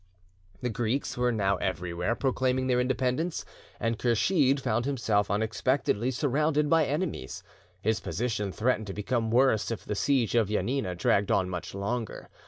The Greeks were now everywhere proclaiming their independence, and Kursheed found himself unexpectedly surrounded by enemies. His position threatened to become worse if the siege of Janina dragged on much longer.